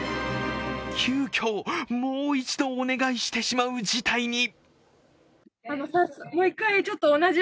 急きょ、もう一度お願いしてしまう事態に。